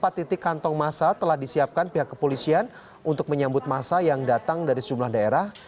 empat titik kantong masa telah disiapkan pihak kepolisian untuk menyambut masa yang datang dari sejumlah daerah